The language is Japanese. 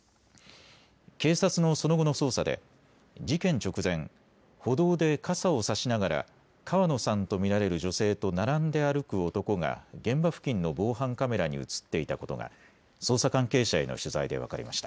警察のその後の捜査で事件直前、歩道で傘を差しながら川野さんと見られる女性と並んで歩く男が現場付近の防犯カメラに写っていたことが捜査関係者への取材で分かりました。